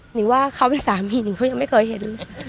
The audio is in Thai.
หนึ่งว่าเขาเป็นสามีหนึ่งก็ยังไม่เคยเห็น